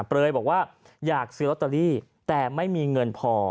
เปลยบอกว่าอยากซื้อลอตเตอรี่แต่ไม่มีเงินพอ